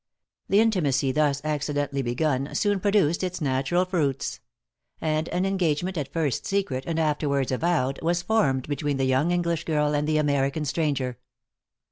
The intimacy, thus accidentally begun, soon produced its natural fruits; and an engagement, at first secret, and afterwards avowed, was formed between the young English girl and the American stranger.